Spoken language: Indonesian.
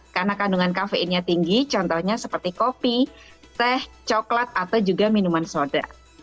karena kandungan kafeinnya tinggi contohnya seperti kopi teh coklat atau juga minuman soda